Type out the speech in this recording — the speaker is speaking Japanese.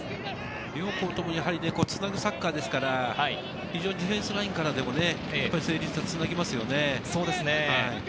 両校ともつなぐサッカーですから、ディフェンスラインからでも成立はつなぎますよね。